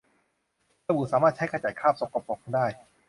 สบู่สามารถใช้ขจัดคราบสกปรกได้